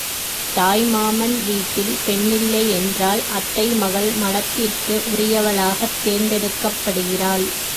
தாய் மாமன் வீட்டில் பெண்ணில்லையென்றால் அத்தை மகள் மணத்திற்கு உரியவளாகத் தேர்ந்தெடுக்கப்படுகிறாள்.